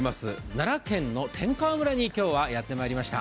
奈良県の天川村に今日はやってまいりました。